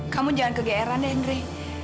kamu jangan kegeeran ndre